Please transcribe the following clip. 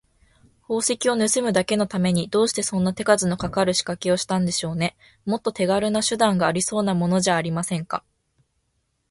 宝石をぬすむだけのために、どうしてそんな手数のかかるしかけをしたんでしょうね。もっと手がるな手段がありそうなものじゃありませんか。